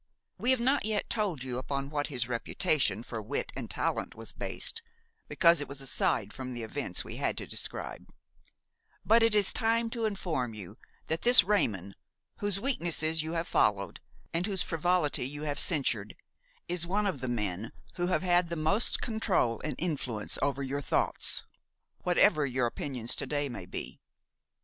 We have not as yet told you upon what his reputation for wit and talent was based, because it was aside from the events we had to describe; but it is time to inform you that this Raymon, whose weaknesses you have followed and whose frivolity you have censured, is one of the men who have had the most control and influence over your thoughts, whatever your opinions to day may be.